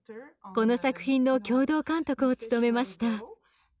この作品の共同監督を務めました。